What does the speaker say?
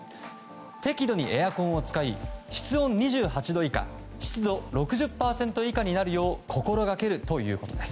適度にエアコンを使い室温２８度以下湿度６０％以下になるよう心がけるということです。